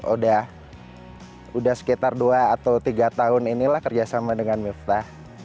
udah sekitar dua atau tiga tahun inilah kerjasama dengan miftah